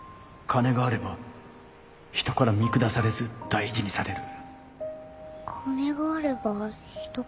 金があれば人から見下されず大事にされる。